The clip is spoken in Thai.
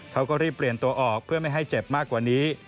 เขาก็รีบเปลี่ยนตัวออกเพื่อไม่ให้เจ็บมากกว่านี้